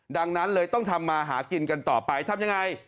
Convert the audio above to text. ดังนั้นเลยต้องทำมาหากินกันต่อไปทำยังไง